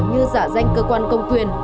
như giả danh cơ quan công quyền